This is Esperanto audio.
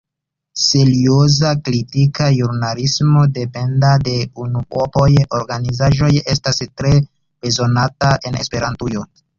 Serioza kritika ĵurnalismo, sendependa de unuopaj organizaĵoj, estas tre bezonata en Esperantujo.